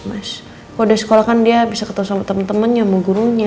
kalo dia sekolah kan dia bisa ketemu sama temen temen sama gurunya